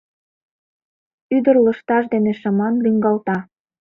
Ӱдыр Лышташ дене шыман лӱҥгалта.